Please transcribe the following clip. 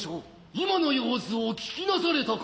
今の様子をお聞きなされたか。